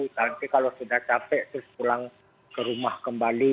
nanti kalau sudah capek terus pulang ke rumah kembali